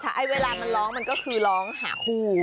ใช่เวลามันร้องมันก็คือร้องหาคู่